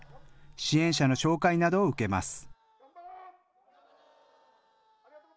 支援者の紹介などを受けます。